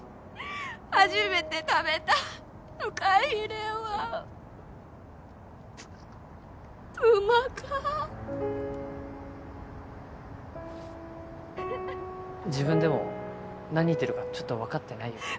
初めて食べたフカヒレはうまか自分でも何言ってるかちょっと分かってないよね